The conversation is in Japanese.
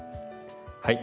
はい。